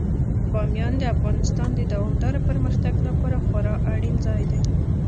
بامیان د افغانستان د دوامداره پرمختګ لپاره خورا اړین ځای دی.